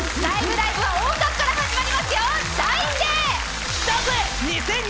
ライブ！」は音楽から始まりますよ。